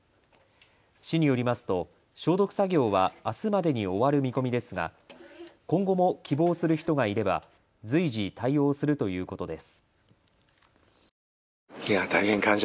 市によりますと消毒作業はあすまでに終わる見込みですが今後も希望する人がいれば随時、対応するということです。